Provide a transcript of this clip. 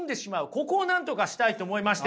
ここをなんとかしたいと思いましてね。